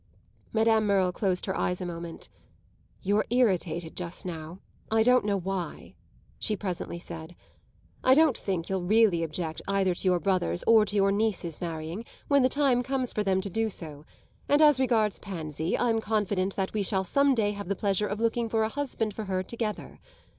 Madame Merle closed her eyes a moment. "You're irritated just now; I don't know why," she presently said. "I don't think you'll really object either to your brother's or to your niece's marrying, when the time comes for them to do so; and as regards Pansy I'm confident that we shall some day have the pleasure of looking for a husband for her together.